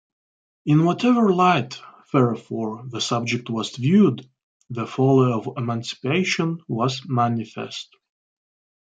In whatever light, therefore, the subject was viewed, the folly of emancipation was manifest.